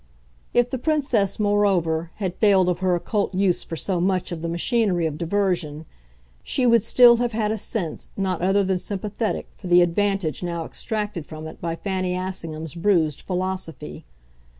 If the Princess, moreover, had failed of her occult use for so much of the machinery of diversion, she would still have had a sense not other than sympathetic for the advantage now extracted from it by Fanny Assingham's bruised philosophy.